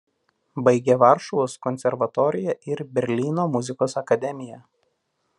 Baigė Varšuvos konservatoriją ir Berlyno muzikos akademiją.